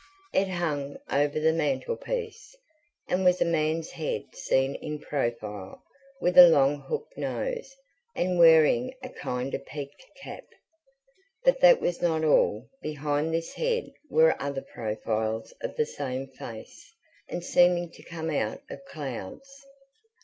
It hung over the mantelpiece, and was a man's head seen in profile, with a long hooked nose, and wearing a kind of peaked cap. But that was not all: behind this head were other profiles of the same face, and seeming to come out of clouds.